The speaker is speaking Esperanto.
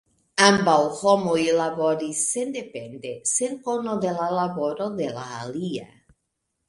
Ambaŭ homoj laboris sendepende sen kono de la laboro de la alia.